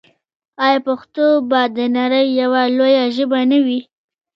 آیا پښتو به د نړۍ یوه لویه ژبه نه وي؟